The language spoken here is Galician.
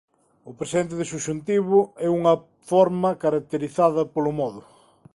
O presente de subxuntivo é unha forma caracterizada polo modo.